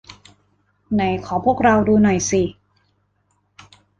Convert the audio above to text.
ไหนขอพวกเราดูหน่อยสิ